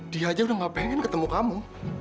dia aja udah gak pengen ketemu kamu